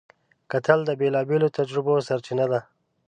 کتل د بېلابېلو تجربو سرچینه ده